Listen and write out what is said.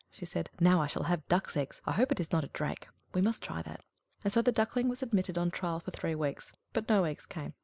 she said. "Now I shall have duck's eggs. I hope it is not a drake. We must try that." And so the Duckling was admitted on trial for three weeks; but no eggs came.